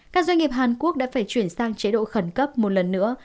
các doanh nghiệp hàn quốc đã phải chuyển sang chế độ khẩn cấp một lần nữa